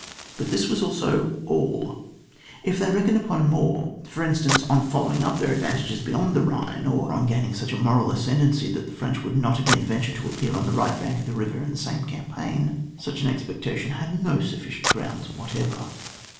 But this was also cdl ; if they reckoned upon more, for instance, on following up their advantages beyond tho Hhine, or on gaining such a moral ascendancy, that the French would not again venture to appear on the right bank of the river in the same campaign, such an expectation had no sufficient grounds whatever.